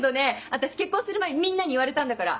私結婚する前みんなに言われたんだから。